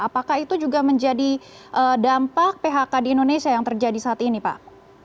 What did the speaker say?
apakah itu juga menjadi dampak phk di indonesia yang terjadi saat ini pak